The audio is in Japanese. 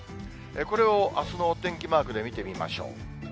これをあすのお天気マークで見てみましょう。